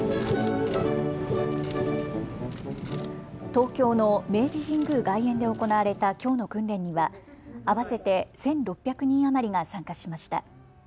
東京の明治神宮外苑で行われたきょうの訓練には合わせて１６００人余りが参加しました。